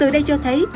từ đây cho thấy